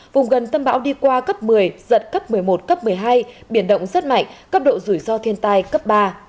vùng gần tâm bão đi qua cấp một mươi giật cấp một mươi một cấp một mươi hai biển động rất mạnh cấp độ rủi ro thiên tai cấp ba